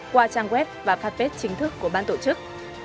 qua trang web và phát bếp chính thức của ban tổ chức